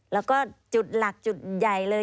แล้วก็จุดหลักจุดใหญ่เลย